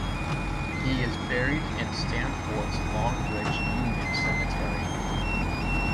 He is buried in Stamford's Long Ridge Union Cemetery.